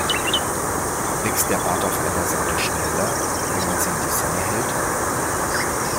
Wächst der Bart auf einer Seite schneller, wenn man sie in die Sonne hält?